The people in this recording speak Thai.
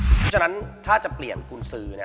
เพราะฉะนั้นถ้าจะเปลี่ยนกุญสือ